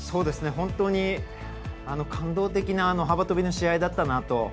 本当に感動的な幅跳びの試合だったなと。